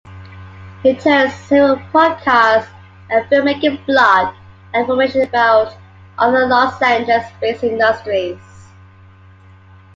It hosts several podcasts, a filmmaking blog, and information about other Los Angeles-based industries.